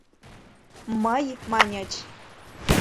«Мый» маньыч...